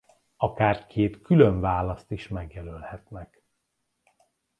Akár két külön választ is megjelölhetnek.